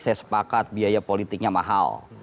saya sepakat biaya politiknya mahal